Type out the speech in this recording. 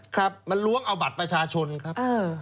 ครับมันล้วงเอาบัตรประชาชนครับ